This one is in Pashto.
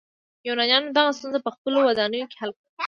یونانیانو دغه ستونزه په خپلو ودانیو کې حل کړه.